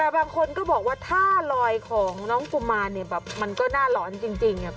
แต่บางคนก็บอกว่าท่าลอยของน้องกุมารเนี่ยแบบมันก็น่าหลอนจริง